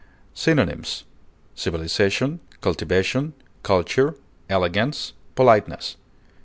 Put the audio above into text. Synonyms: civilization, cultivation, culture, elegance, politeness.